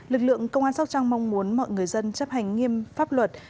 lực lượng công an sóc trăng mong muốn mọi người dân chấp hành nghiêm pháp luật